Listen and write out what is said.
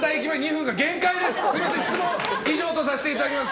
質問以上とさせていただきます。